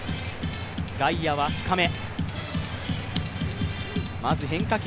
外野は深め。